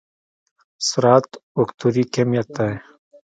سرعت وکتوري کميت دی.